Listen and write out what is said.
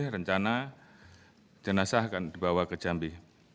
rencana jenazah akan dibawa ke jambi